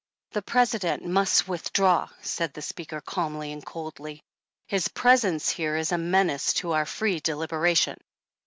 46 The President must withdraw/' said the Speaker, calmly and coldly, " his presence here is a menace to our free deliberation."